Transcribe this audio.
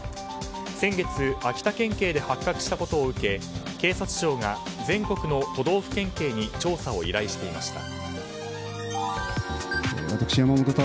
先月秋田県警で発覚したことを受け警察庁が全国の都道府県警に調査を依頼していました。